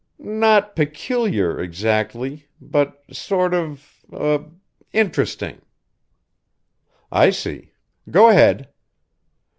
"Not peculiar, exactly; but sort of of interesting." "I see. Go ahead!"